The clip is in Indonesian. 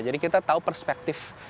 jadi kita tahu perspektif